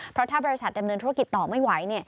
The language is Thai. เพราะถ้าบริษัทดำเนินธุรกิจต่อไม่ไหว